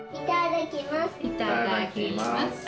いただきます！